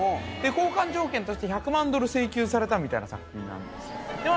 交換条件として１００万ドル請求されたみたいな作品なんですでも